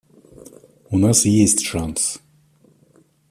У нас есть шанс.